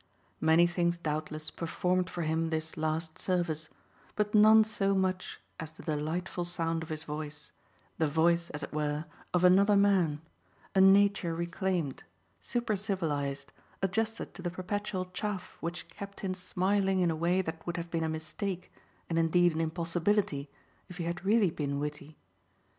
Many things doubtless performed for him this last service, but none so much as the delightful sound of his voice, the voice, as it were, of another man, a nature reclaimed, supercivilised, adjusted to the perpetual "chaff" which kept him smiling in a way that would have been a mistake and indeed an impossibility if he had really been witty.